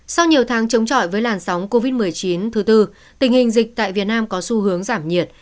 sau nhiều tháng chống trọi với làn sóng covid một mươi chín thứ tư tình hình dịch tại việt nam có xu hướng giảm nhiệt